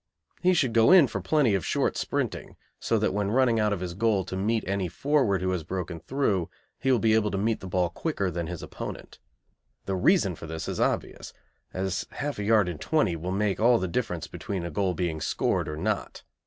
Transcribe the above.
He should go in for plenty of short sprinting, so that when running out of his goal to meet any forward who has broken through he will be able to meet the ball quicker than his opponent. The reason for this is obvious, as half a yard in twenty will make all the difference between a goal being scored or not.